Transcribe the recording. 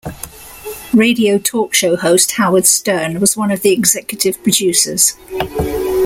Radio talk show host Howard Stern was one of the executive producers.